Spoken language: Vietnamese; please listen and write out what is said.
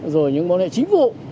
rồi những quan hệ chính phủ